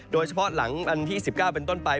โดยเฉพาะหลังอันที่๑๙เป็นต้นไป